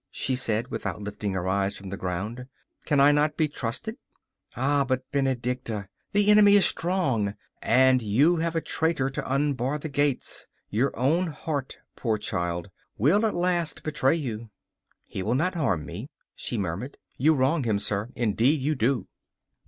she said, without lifting her eyes from the ground. 'Can I not be trusted?' 'Ah, but, Benedicta, the enemy is strong, and you have a traitor to unbar the gates. Your own heart, poor child, will at last betray you.' 'He will not harm me,' she murmured. 'You wrong him, sir, indeed you do.